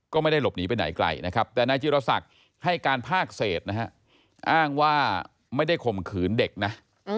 ก็ไม่ได้หลบหนีไปไหนไกลนะครับแต่นายจิรศักดิ์ให้การภาคเศษนะฮะอ้างว่าไม่ได้ข่มขืนเด็กนะ